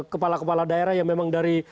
kepala kepala daerah yang memang dari